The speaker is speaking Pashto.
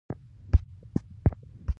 هغوی د تعلیم د لارې پرانستل نه غوښتل.